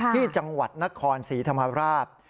ที่จังหวัดนครศรีธรรมราช